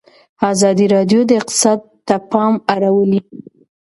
ازادي راډیو د اقتصاد ته پام اړولی.